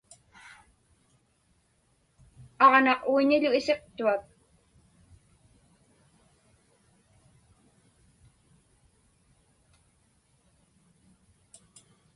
Aġnaq uinilu isiqtuak.